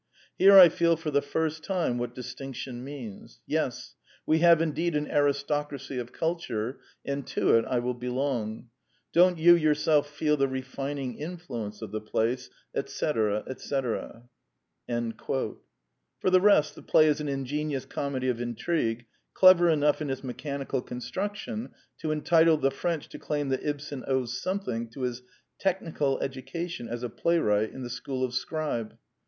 Here I feel for the first time what distinction means. Yes: we have indeed an aristocracy of culture; and to it I will belong. Don't you yourself feel the refining influence of the place," &c. &c. For the rest, the play is an ingenious comedy of intrigue, clever enough in its mechanical con struction to entitle the French to claim that Ibsen owes something to his technical education as a playwright in the school of Scribe.